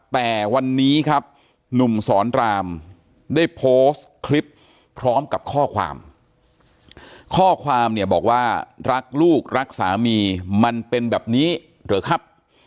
แต่วันนี้ครับหนุ่มสอนรามได้โพสต์คลิปพร้อมกับข้อความข้อความเนี่ยบอกว่ารักลูกรักสามีมันเป็นแบบนี้เหรอครับ